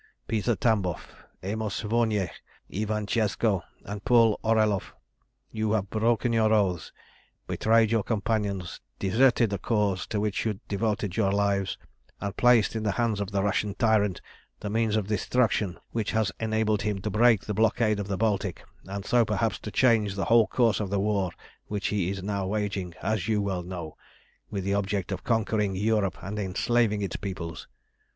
"Peter Tamboff, Amos Vornjeh, Ivan Tscheszco, and Paul Oreloff! you have broken your oaths, betrayed your companions, deserted the Cause to which you devoted your lives, and placed in the hands of the Russian tyrant the means of destruction which has enabled him to break the blockade of the Baltic, and so perhaps to change the whole course of the war which he is now waging, as you well know, with the object of conquering Europe and enslaving its peoples.